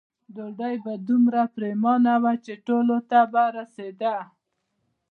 ډوډۍ به دومره پریمانه وه چې ټولو ته به رسېده.